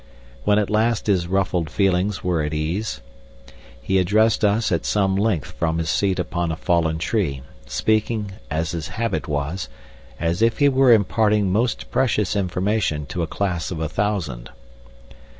When at last his ruffled feelings were at ease, he addressed us at some length from his seat upon a fallen tree, speaking, as his habit was, as if he were imparting most precious information to a class of a thousand.